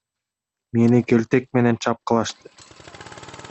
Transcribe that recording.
Мени келтек менен чапкылашты.